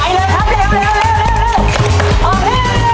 ออกเร็ว